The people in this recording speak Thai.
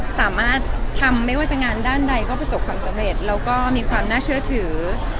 สามารถทำไม่ว่าจะงานด้านใดก็ประสบความสำเร็จแล้วก็มีความน่าเชื่อถือ